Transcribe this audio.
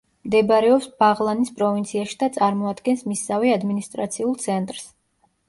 მდებარეობს ბაღლანის პროვინციაში და წარმოადგენს მისსავე ადმინისტრაციულ ცენტრს.